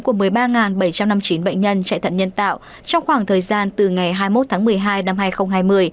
của một mươi ba bảy trăm năm mươi chín bệnh nhân chạy thận nhân tạo trong khoảng thời gian từ ngày hai mươi một tháng một mươi hai năm hai nghìn hai mươi